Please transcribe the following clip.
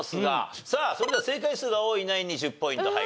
それでは正解数が多いナインに１０ポイント入ります。